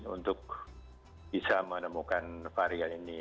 untuk bisa menemukan varian ini